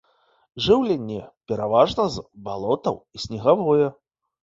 Жыўленне пераважна з балотаў і снегавое.